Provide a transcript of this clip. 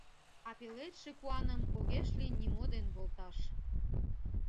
А пеледше куаным Огеш лий нимо ден волташ.